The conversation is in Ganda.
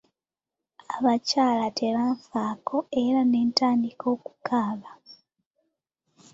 Abakyala tebanfaako era ne ntandika okukaaba.